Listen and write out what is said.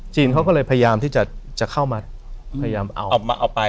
เขาก็เลยพยายามที่จะเข้ามาพยายามเอาไป